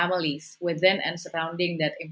keluarga di dalam dan di sekeliling